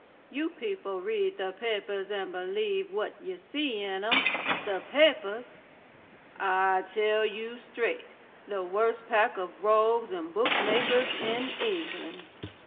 You people read the papers and believe what you see in 'em. The papers! I tell you stryte the worst pack of rogues and bookmakers in England."